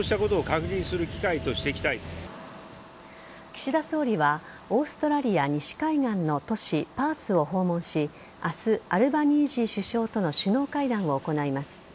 岸田総理はオーストラリア西海岸の都市パースを訪問し明日、アルバニージー首相との首脳会談を行います。